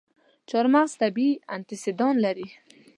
چارمغز طبیعي انټياکسیدان لري.